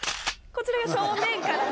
こちらが正面からの。